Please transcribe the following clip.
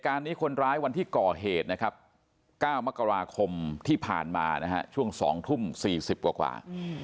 การนี้คนร้ายวันที่ก่อเหตุนะครับ๙มกราคมที่ผ่านมานะฮะช่วง๒ทุ่ม๔๐กว่า